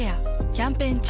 キャンペーン中。